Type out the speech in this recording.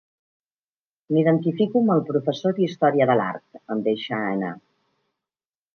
M'identifico amb el professor d'història de l'art —em deixa anar.